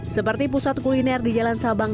seperti pusat kuliner di jalan sabang